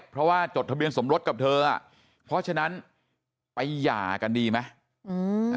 เพราะว่าจดทะเบียนสมรสกับเธออ่ะเพราะฉะนั้นไปหย่ากันดีไหม